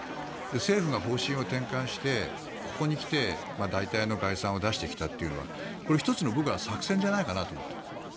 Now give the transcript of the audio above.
政府が方針を転換してここに来て、大体の概算を出してきたというのはこれ、１つの作戦じゃないかなと思っているんです。